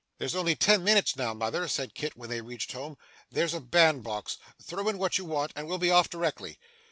'There's only ten minutes now, mother,' said Kit when they reached home. 'There's a bandbox. Throw in what you want, and we'll be off directly.